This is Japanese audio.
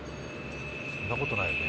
そんなことないよね。